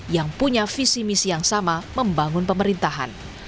yang punya visi misi yang sama membangun pemerintahan